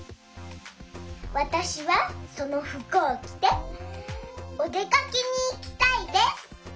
わたしはそのふくをきておでかけにいきたいです。